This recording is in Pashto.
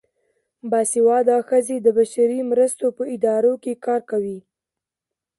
باسواده ښځې د بشري مرستو په ادارو کې کار کوي.